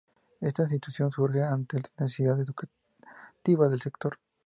Esta institución surge ante la necesidad educativa del sector.